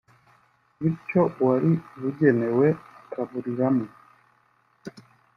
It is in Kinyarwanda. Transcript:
bityo uwari ubugenewe akaburiramo’’